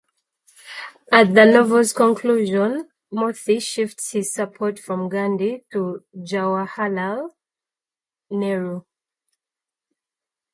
At the novel's conclusion, Moorthy shifts his support from Gandhi to Jawaharlal Nehru.